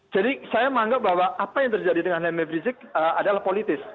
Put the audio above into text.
jadi saya menganggap bahwa apa yang terjadi dengan neme brzezic adalah politis